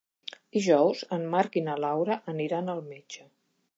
Dijous en Marc i na Laura aniran al metge.